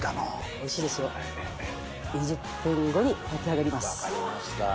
・おいしいですよ２０分後に炊き上がります・分かりました。